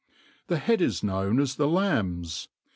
The head is known aa the lamb*s.